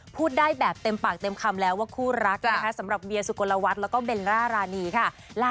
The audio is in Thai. พูดได้แบบเต็มปากเต็มคำแล้วว่าคู่รักนะคะ